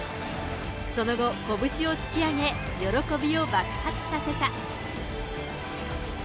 その後、拳を突き上げ、喜びを爆発させた。